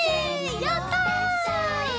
やった！